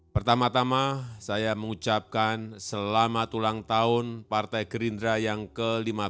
pertama tama saya mengucapkan selamat ulang tahun partai gerindra yang ke lima belas